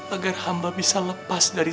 agar hamba bisa lepas dari